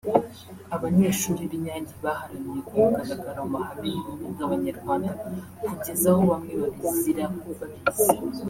Abanyeshuri b’i Nyange baharaniye ku mugaragaro amahame y’ubumwe bw’Abanyarwanda kugeza aho bamwe babizira babizi